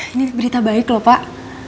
ini berita baik lho pak